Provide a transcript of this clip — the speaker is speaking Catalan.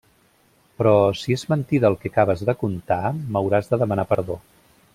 Però, si és mentida el que acabes de contar, m’hauràs de demanar perdó.